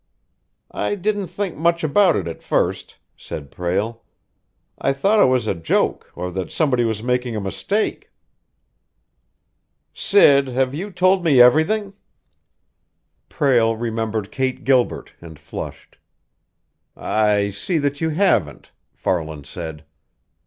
"I didn't think much about it at first," said Prale. "I thought it was a joke, or that somebody was making a mistake." "Sid, have you told me everything?" Prale remembered Kate Gilbert and flushed. "I see that you haven't," Farland said.